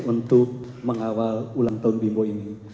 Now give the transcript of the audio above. untuk mengawal ulang tahun bimbo ini